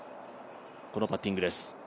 このパッティングです。